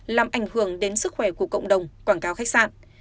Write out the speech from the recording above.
làm ảnh hưởng đến sức khỏe của cộng đồng quảng cáo khách sạn